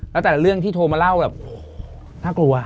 แล้วแต่เรื่องที่โทรมาเล่านะกลัว